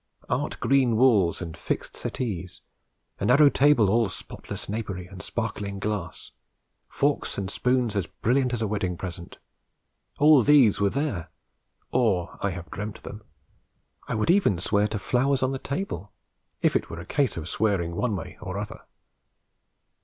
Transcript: Art green walls and fixed settees, a narrow table all spotless napery and sparkling glass, forks and spoons as brilliant as a wedding present, all these were there or I have dreamt them. I would even swear to flowers on the table, if it were a case of swearing one way or other.